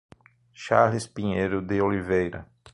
Charles Pinheiro de Oliveira